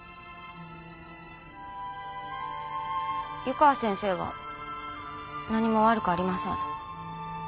湯川先生は何も悪くありません。